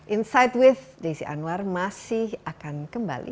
insight with desi anwar masih akan kembali